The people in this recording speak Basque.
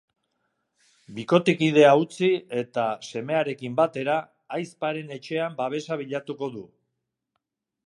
Bikotekidea utzi eta, semearekin batera, ahizparen etxean babesa bilatuko du.